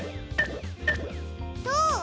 どう？